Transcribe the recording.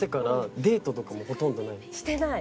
してない！